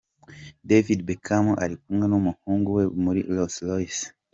David Beckham ari kumwe n'umuhungu we muri Rolls-Royce.